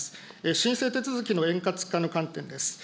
申請手続きの円滑化の観点です。